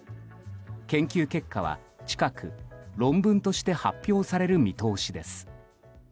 研究結果は近く論文として発表される見通しです。